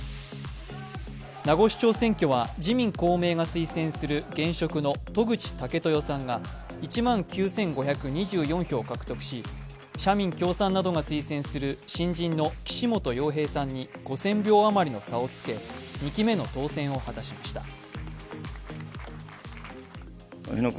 名護市長選挙は自民・公明が推薦する現職の渡具知武豊さんが１万９５２４票獲得し社民・共産などが推薦する新人の岸本洋平さんに５０００票余りの差をつけ、２期目の当選を果たしました。